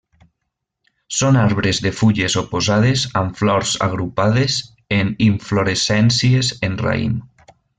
Són arbres de fulles oposades amb flors agrupades en inflorescències en raïm.